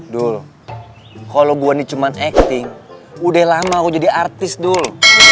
dul kalau gue ini cuma acting udah lama aku jadi artis dul